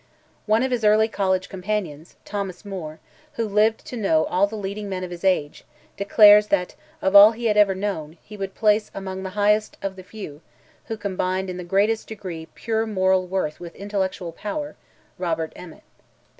One of his early college companions—Thomas Moore—who lived to know all the leading men of his age, declares that of all he had ever known, he would place among "the highest of the few" who combined in "the greatest degree pure moral worth with intellectual power"—Robert Emmet.